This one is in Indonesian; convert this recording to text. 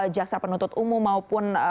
jasa penuntut umum maupun